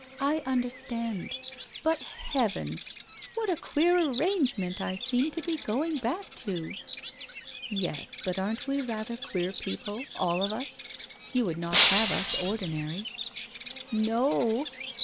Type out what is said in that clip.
I under stand. But, Heavens, what a queer arrangement I seem to be going back too !'' Yes, but aren't we rather queer people, all of us ? You would not have us ordinary ?' 1 No o